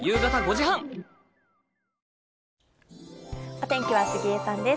お天気は杉江さんです。